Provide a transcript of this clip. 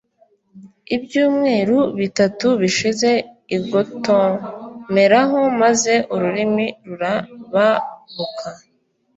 Ibyumweru bitatu bishize, igotomeraho, maze urulimi rurababuka,